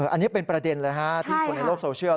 อันนี้เป็นประเด็นเลยฮะที่คนในโลกโซเชียล